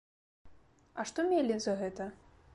А што мелі за гэта?